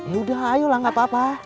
yaudah ayolah gak papa